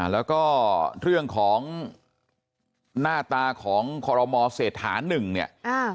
แล้วก็เรื่องของหน้าตาของคอรมอเศรษฐานึงเนี่ย